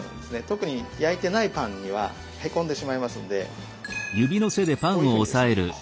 特に焼いてないパンにはへこんでしまいますのでこういうふうにですね